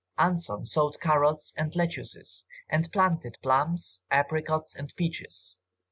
Anson sowed carrots and lettuces, and planted plums, apricots, and peaches.